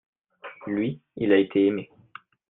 lui, il a été aimé.